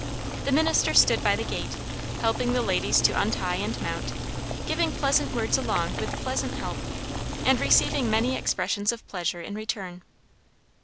The minister stood by the gate, helping the ladies to untie and mount, giving pleasant words along with pleasant help, and receiving many expressions of pleasure in return.